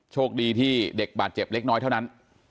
โชคดีที่เด็กบาดเจ็บเล็กน้อยเท่านั้น